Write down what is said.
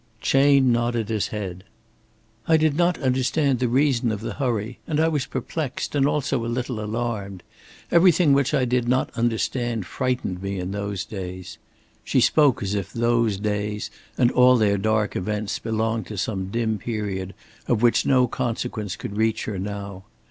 Chayne nodded his head. "I did not understand the reason of the hurry. And I was perplexed and also a little alarmed. Everything which I did not understand frightened me in those days." She spoke as if "those days" and all their dark events belonged to some dim period of which no consequence could reach her now.